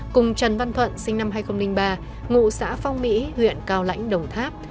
cùng trần văn thuận sinh năm hai nghìn ba ngụ xã phong mỹ huyện cao lãnh đồng tháp